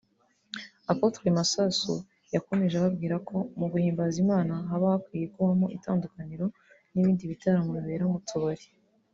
Apotre Masasu yakomeje ababwira ko mu guhimbaza Imana haba hakwiye kubamo itandukaniro n'ibindi bitaramo bibera mu tubari